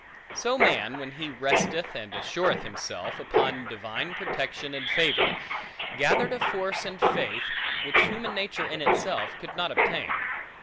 So man, when he resteth and assureth himself, upon divine protection and favor, gathered a force and faith, which human nature in itself could not obtain.